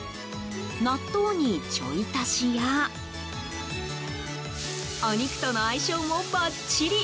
納豆にちょい足しやお肉との相性もばっちり！